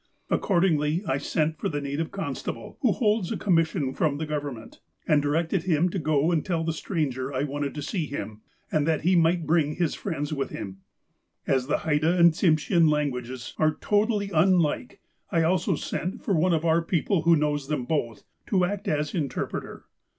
Accordingly, I sent for the native constable — who holds a com mission from the Government, — and directed him to go and tell the stranger I wanted to see him ; and that he might bring his friends with him. " As the Haida and Tsimshean languages are totally un like, I also sent for one of our people who knows them both, to act as interpreter.